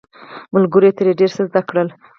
ملګرو یې ترې ډیر څه زده کړل.